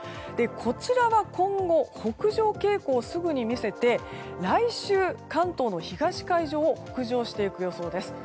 こちらが、今後北上傾向をすぐに見せて来週、関東の東海上を北上していく予想です。